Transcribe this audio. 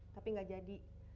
tapi gak jadi